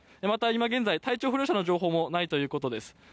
また今現在、体調不良者の情報もないということです。